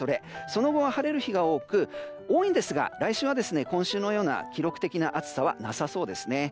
その後は晴れる日が多いんですが、来週は今週のような記録的な暑さはなさそうですね。